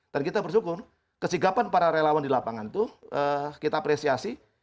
dan kita bersyukur kesegapan para relawan di lapangan itu kita apresiasi